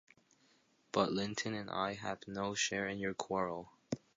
But Linton and I have no share in your quarrel.